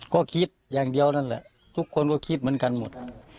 ก็คิดอย่างเดียวนั่นแหละทุกคนก็คิดเหมือนกันหมด